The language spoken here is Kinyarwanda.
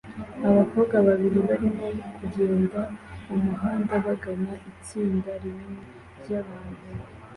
Abakobwa babiri barimo kugenda mumuhanda bagana itsinda rinini ryabantu